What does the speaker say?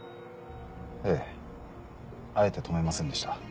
ええあえて止めませんでした。